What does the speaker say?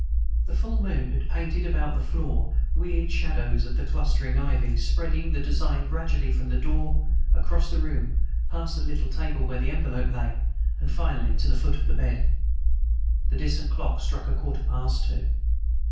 The full moon had painted about the floor weird shadows of the clustering ivy, spreading the design gradually from the door, across the room, past the little table where the envelope lay, and finally to the foot of the bed. The distant clock struck a quarter past two.